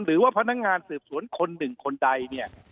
หรือว่าพนักงานสืบสวนคนหนึ่งคนใดเนี่ย